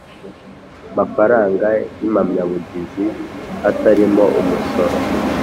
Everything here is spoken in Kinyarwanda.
mafaranga y impamyabuguzi hatarimo umusoro